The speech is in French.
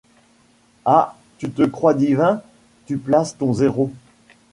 Ah ! tu te crois divin ! tu places ton zéro